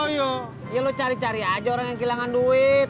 ya lo cari cari aja orang yang kehilangan duit